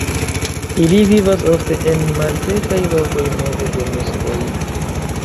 Ili vivas ofte en malsekaj lokoj meze de muskoj.